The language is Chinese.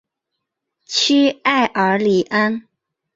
屈埃尔里安。